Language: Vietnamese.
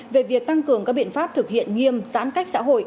về việc tăng cường các biện pháp thực hiện nghiêm giãn cách xã hội